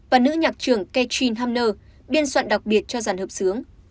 và nữ nhạc trường katrin hamner biên soạn đặc biệt cho dàn hợp sướng